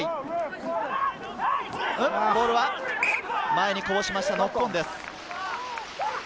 ボールは前にこぼしました、ノックオンです。